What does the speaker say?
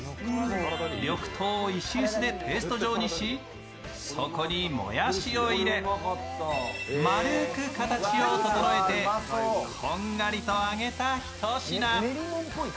緑豆を石臼でペースト状にしそこにもやしを入れ丸く形を整えてこんがりと揚げたひと品。